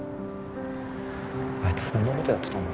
あいつそんな事やってたんだ。